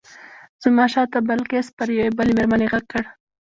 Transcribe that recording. زما شاته بلقیس پر یوې بلې مېرمنې غږ کړ.